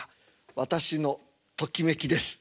私のときめきです。